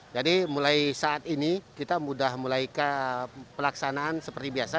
jadi mulai saat ini kita mudah mulai ke pelaksanaan seperti biasa